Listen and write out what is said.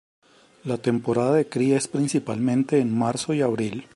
La temporada de cría es principalmente en marzo y abril.